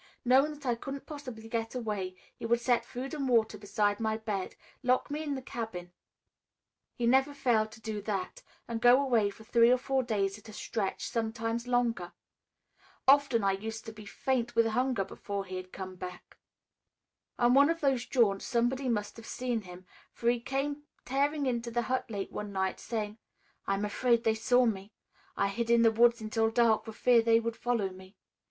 Knowing that I couldn't possibly get away, he would set food and water beside my bed, lock me in the cabin he never failed to do that and go away for three or four days at a stretch, sometimes longer. Often I used to be faint with hunger before he'd come back. On one of those jaunts somebody must have seen him, for he came tearing into the hut late one night saying, 'I am afraid they saw me! I hid in the woods until dark for fear they would follow me.